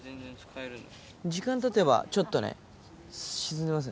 時間たてば、ちょっとね、沈んでます。